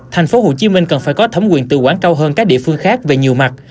tp hcm cần phải có thấm quyền tự quán cao hơn các địa phương khác về nhiều mặt